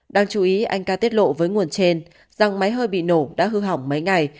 đáng chú ý anh ca tiết lộ với nguồn trên dòng máy hơi bị nổ đã hư hỏng mấy ngày